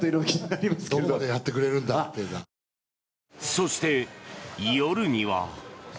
そして、夜には。